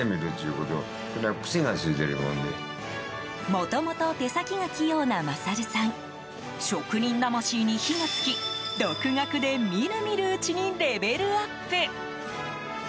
もともと手先が器用な勝さん職人魂に火が付き独学で、みるみるうちにレベルアップ。